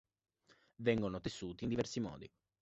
Vengono tessuti in diversi modi.